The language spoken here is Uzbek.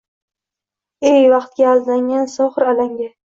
Ey vaqtga aldangan sohir alanga?!